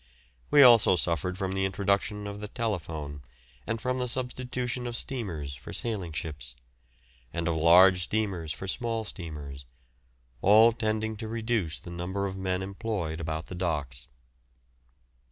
We also suffered from the introduction of the telephone and from the substitution of steamers for sailing ships, and of large steamers for small steamers, all tending to reduce the number of men employed about the docks.